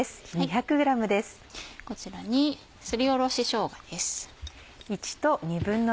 こちらにすりおろししょうがです。